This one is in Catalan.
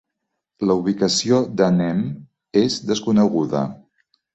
La ubicació d'Anem és desconeguda.